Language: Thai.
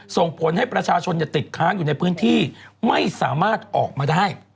ส่งผลให้ประชาชนติดค้างอยู่ในพื้นที่ไม่สามารถออกมาได้